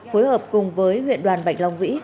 phối hợp cùng với huyện đoàn bạch long vĩ